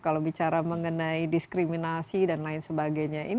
kalau bicara mengenai diskriminasi dan lain sebagainya